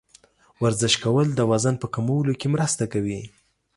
ورزش کول د وزن په کمولو کې مرسته کوي.